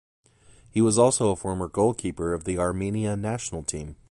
He was also a former goalkeeper of the Armenia national team.